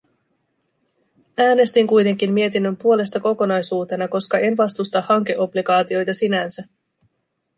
Äänestin kuitenkin mietinnön puolesta kokonaisuutena, koska en vastusta hankeobligaatioita sinänsä.